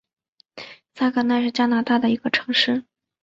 萨格奈是加拿大的一个城市。